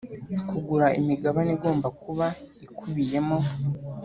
kugura imigabane igomba kuba ikubiyemo